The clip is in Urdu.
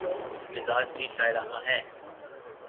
مزاج بھی شاعرانہ ہے۔